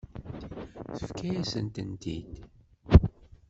Tefka-yasen-tent-id.